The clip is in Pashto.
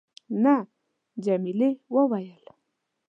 نه. جميلې وويل:.